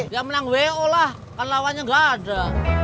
yang menang wo lah kan lawannya enggak ada